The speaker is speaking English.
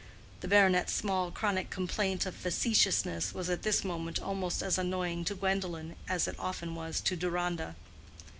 The baronet's small chronic complaint of facetiousness was at this moment almost as annoying to Gwendolen as it often was to Deronda.